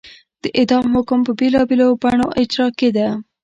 د اعدام حکم به په بېلابېلو بڼو اجرا کېده.